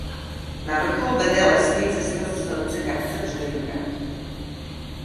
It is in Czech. Na vrchol vede lesní cesta ze silnice Katusice–Březinka.